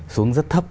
xuống rất thấp